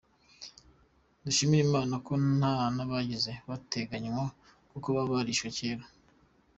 Dushimire Imana ko nta n’abigeze bateganywa, kuko baba barishwe kera.